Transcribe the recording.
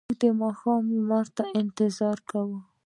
موږ د ماښام لمر ته انتظار کاوه.